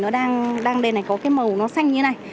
nó đang đây này có cái màu nó xanh như thế này